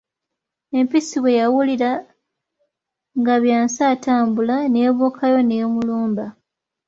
Empisi bwe yawulira nga Byansi atambula, n'ebuukayo n'emulumba!